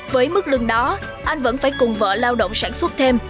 với mức lương đó anh vẫn phải cùng vợ lao động sản xuất thêm